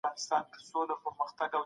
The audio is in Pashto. لوستې مور د ککړو ؛خوړو څخه مخنيوی کوي.